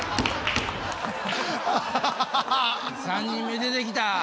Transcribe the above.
３人目出てきた。